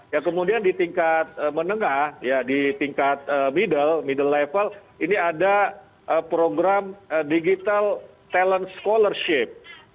ya kemudian di tingkat menengah ya di tingkat middle middle level ini ada program digital talent scholarship